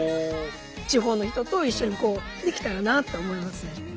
地方の人と一緒にできたらなって思いますね。